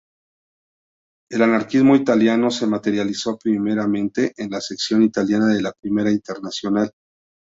El anarquismo italiano se materializó primeramente en la sección italiana de la Primera Internacional.